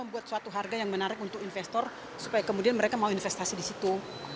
membuat suatu harga yang menarik untuk investor supaya kemudian mereka mau investasi di situ